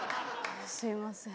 すいません。